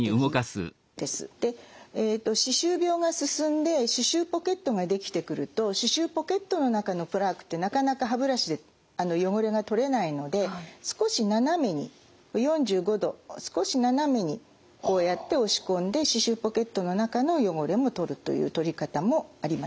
で歯周病が進んで歯周ポケットが出来てくると歯周ポケットの中のプラークってなかなか歯ブラシで汚れが取れないので少し斜めに４５度少し斜めにこうやって押し込んで歯周ポケットの中の汚れも取るという取り方もあります。